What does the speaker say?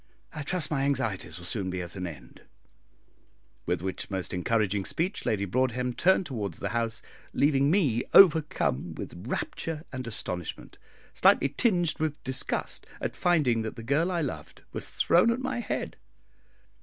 I trust my anxieties will soon be at an end;" with which most encouraging speech Lady Broadhem turned towards the house, leaving me overcome with rapture and astonishment, slightly tinged with disgust at finding that the girl I loved was thrown at my head.